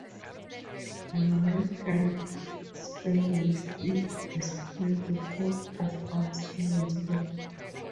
Mary Anne's family still displayed the coat-of-arms given to them.